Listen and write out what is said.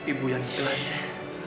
ibu yang jelas